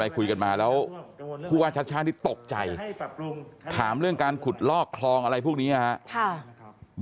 อะไรคุยกันมาแล้วกลัวชัดตกใจถามเรื่องการขุดลอกคลองอะไรพวกนี้ครับ